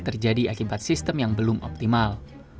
terjadi akibat sistem yang belum optimal